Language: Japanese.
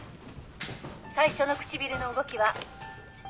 「最初の唇の動きは」